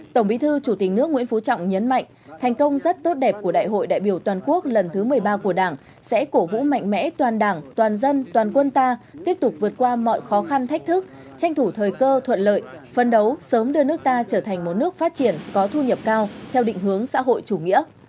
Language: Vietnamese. tổng bí thư chủ tịch nước nguyễn phú trọng nhấn mạnh thành công rất tốt đẹp của đại hội đại biểu toàn quốc lần thứ một mươi ba của đảng sẽ cổ vũ mạnh mẽ toàn đảng toàn dân toàn quân ta tiếp tục vượt qua mọi khó khăn thách thức tranh thủ thời cơ thuận lợi phân đấu sớm đưa nước ta trở thành một nước phát triển có thu nhập cao theo định hướng xã hội chủ nghĩa